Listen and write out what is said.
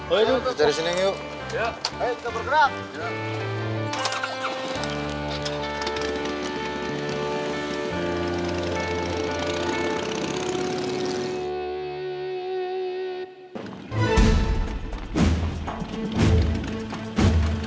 ayo yuk kita cari si neng yuk